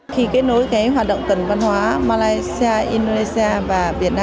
khi kết nối hoạt động tuần văn hóa malaysia indonesia